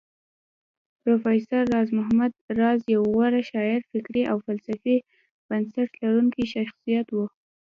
پروفېسر راز محمد راز يو غوره شاعر فکري او فلسفي بنسټ لرونکی شخصيت و